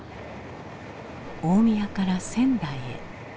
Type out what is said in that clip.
大宮から仙台へ。